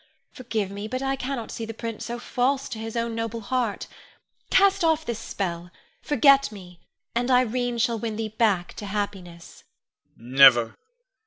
Forgive me, but I cannot see the prince so false to his own noble heart. Cast off this spell; forget me, and Irene shall win thee back to happiness. Con. Never!